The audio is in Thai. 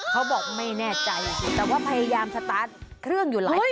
เขาบอกไม่แน่ใจแต่ว่าพยายามสตาร์ทเครื่องอยู่หลายคัน